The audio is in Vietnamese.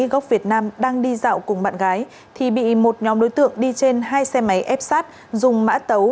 gốc việt nam đang đi dạo cùng bạn gái thì bị một nhóm đối tượng đi trên hai xe máy ép sát dùng mã tấu